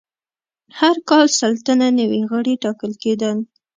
هر کال سل تنه نوي غړي ټاکل کېدل.